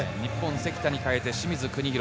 関田に代えて、清水邦広。